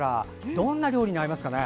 どんな料理に合いますかね？